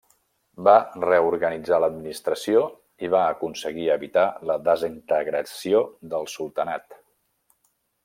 Va reorganitzar l'administració i va aconseguir evitar la desintegració del sultanat.